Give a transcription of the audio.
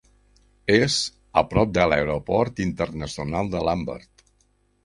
És a prop de l'Aeroport Internacional de Lambert.